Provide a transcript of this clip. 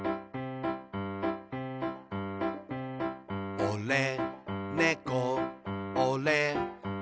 「おれ、ねこおれ、ねこ」